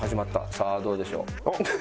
さあどうでしょう。